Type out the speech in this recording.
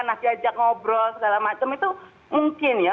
nah diajak ngobrol segala macam itu mungkin ya